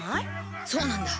そうなんだ。